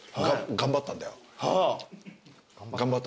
頑張ったんすね。